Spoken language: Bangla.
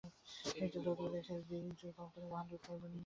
এই শাড়িটা যদি রেখে দিই কোম্পানি বাহাদুর ধরবে না তো?